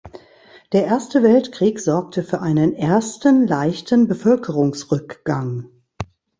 Der Erste Weltkrieg sorgte für einen ersten leichten Bevölkerungsrückgang.